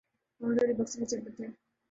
محمد Ali boxing کے champion تھے۔